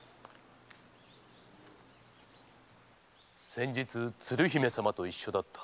先日鶴姫様と一緒だった